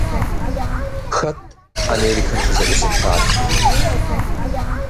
Хэт Америкэр къызэӀузыхар?